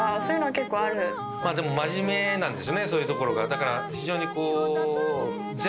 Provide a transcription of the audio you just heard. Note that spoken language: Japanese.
だから非常にこう。